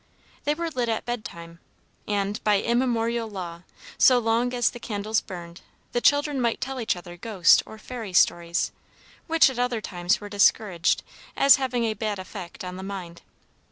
They were lit at bedtime, and, by immemorial law, so long as the candles burned, the children might tell each other ghost or fairy stories, which at other times were discouraged, as having a bad effect on the mind.